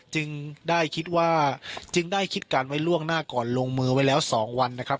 จึงได้คิดว่าจึงได้คิดการไว้ล่วงหน้าก่อนลงมือไว้แล้ว๒วันนะครับ